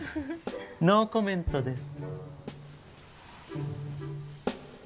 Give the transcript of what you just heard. ノーコメントです。